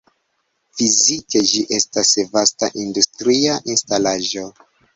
Fizike ĝi estas vasta industria instalaĵo.